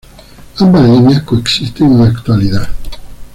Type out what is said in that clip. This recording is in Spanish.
Ambas líneas coexisten en la actualidad.